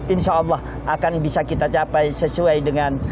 insya allah akan bisa kita capai sesuai dengan